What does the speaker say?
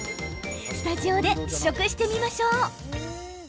スタジオで試食してみましょう。